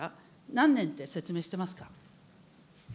何年って説明してますか。